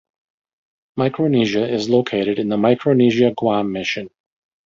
Micronesia is located in the Micronesia Guam Mission.